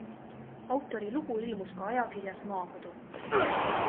Autori lugu ilmus ka ajakirjas Maakodu.